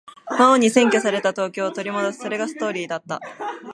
魔王に占拠された東京を取り戻す。それがストーリーだった。